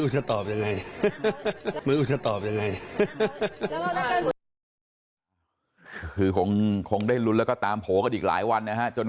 ใจข่าวว่าเฉพาะชาดาจำไหนก็ประาทนธรรม